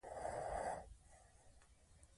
غازیانو بری موندلی دی.